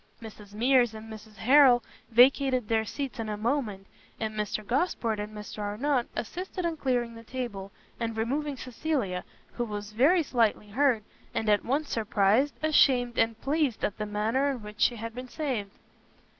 Mrs Mears and Mrs Harrel vacated their seats in a moment, and Mr Gosport and Mr Arnott assisted in clearing the table, and removing Cecilia, who was very slightly hurt, and at once surprised, ashamed, and pleased at the manner in which she had been saved.